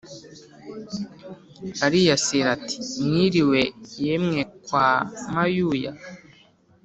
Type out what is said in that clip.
aliyasira ati mwiliwe yemwe kwa mayuya?